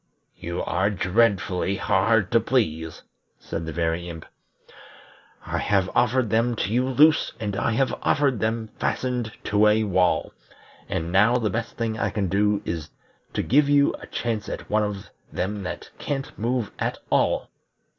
"You are dreadfully hard to please," said the Very Imp. "I have offered them to you loose, and I have offered them fastened to a wall, and now the best thing I can do is to give you a chance at one of them that can't move at all.